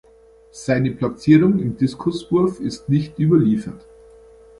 Seine Platzierung im Diskuswurf ist nicht überliefert.